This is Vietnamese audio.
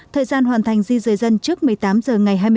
thời gian hoàn thành di rời dân trước một mươi tám giờ ngày hai